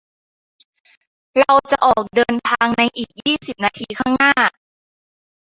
เราจะออกเดินทางในอีกยี่สิบนาทีข้างหน้า